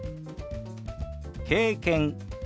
「経験」。